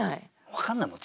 分かんないもん